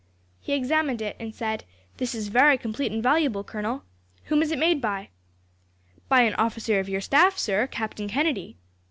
He examined it and said, 'This is very complete and valuable, Colonel. Whom is it made by?' "'By an officer of your staff, sir, Captain Kennedy.'